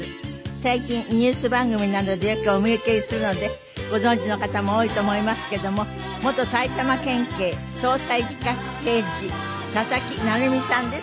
最近ニュース番組などでよくお見受けするのでご存じの方も多いと思いますけども元埼玉県警捜査一課刑事佐々木成三さんです。